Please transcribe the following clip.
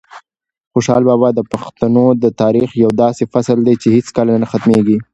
خوشحال بابا د پښتنو د تاریخ یو داسې فصل دی چې هیڅکله نه ختمېږي.